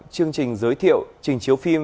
chương trình giới thiệu trình chiếu phim